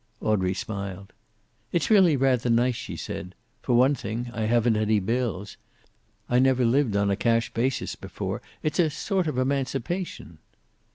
Audrey smiled. "It's really rather nice," she said. "For one thing, I haven't any bills. I never lived on a cash basis before. It's a sort of emancipation."